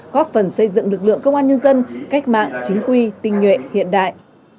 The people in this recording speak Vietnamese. góp phần xây dựng lực lượng công an nhân dân cách mạng chính quy tinh nhuệ hiện đại